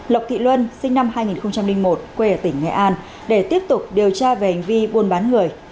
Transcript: lộc thị luân sinh năm hai nghìn một quê ở tỉnh nghệ an để tiếp tục điều tra về hành vi buôn bán người